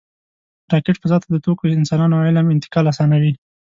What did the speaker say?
راکټ فضا ته د توکو، انسانانو او علم انتقال آسانوي